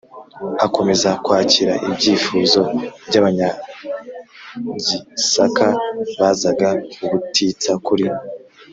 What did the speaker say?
akomeza kwakira ibyifuzo by Abanyagisaka bazaga ubutitsa kuri